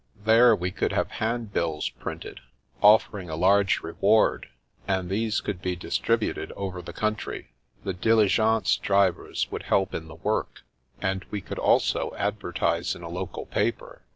There, we could have 1 74 The Princess Passes handbills printed, offering a large reward, and these could be distributed over the country. The dili gence drivers would help in the work, and we could also advertise in a local paper.